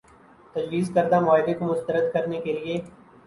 تجویزکردہ معاہدے کو مسترد کرنے کے لیے